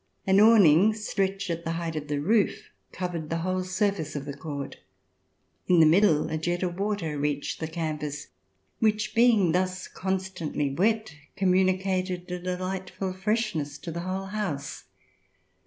An awning stretched at the height of the roof covered the whole surface of the court. In the middle a jet of water reached the canvas, which being thus con stantly wet communicated a delightful freshness to the whole house.